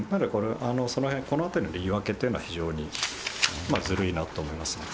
このあたりの言い訳というのは、非常にずるいなと思いますね。